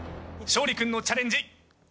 勝利君のチャレンジスタート！